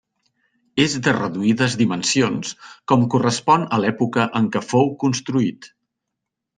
És de reduïdes dimensions, com correspon a l'època en què fou construït.